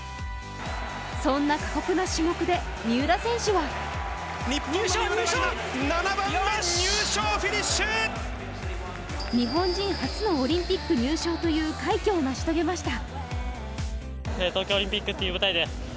そんな過酷な種目で三浦選手は日本人初のオリンピック入賞という快挙を成し遂げました。